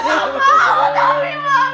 aku enggak mau tapi mami